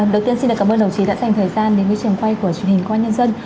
đầu tiên xin cảm ơn đồng chí đã dành thời gian đến với trường quay của truyền hình công an nhân dân